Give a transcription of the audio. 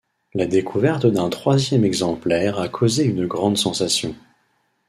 La découverte d'un troisième exemplaire a causé une grande sensation.